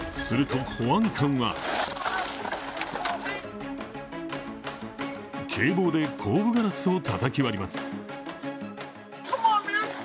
すると、保安官は警棒で後部ガラスをたたき割ります。